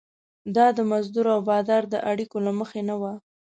دا د مزدور او بادار د اړیکو له مخې نه وه.